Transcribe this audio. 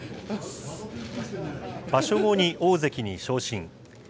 場所後に大関に昇進。